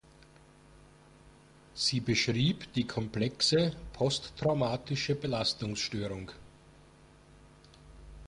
Sie beschrieb die komplexe posttraumatische Belastungsstörung.